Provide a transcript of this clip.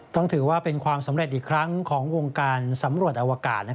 ต้องถือว่าเป็นความสำเร็จอีกครั้งของวงการสำรวจอวกาศ